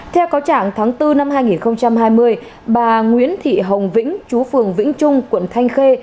theo cáo trạng tháng bốn năm hai nghìn hai mươi bà nguyễn thị hồng vĩnh chú phường vĩnh trung quận thanh khê